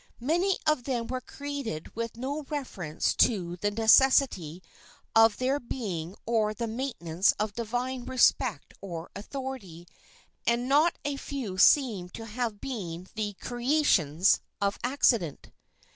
Many of them were created with no reference to the necessity of their being or the maintenance of divine respect or authority, and not a few seem to have been the creations of accident.